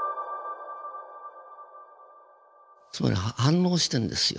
つまり反応してんですよ